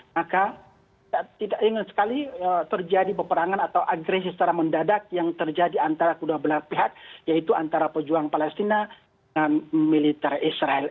maka kita tidak ingin sekali terjadi peperangan atau agresi secara mendadak yang terjadi antara kedua belah pihak yaitu antara pejuang palestina dan militer israel